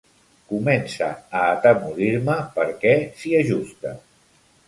Comença a atemorir-me perquè s'hi ajusta.